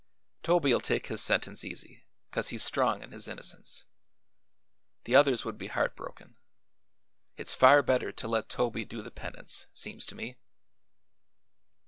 Toby'll take his sentence easy, 'cause he's strong in his innocence. The others would be heartbroken. It's far better to let Toby do the penance, seems to me."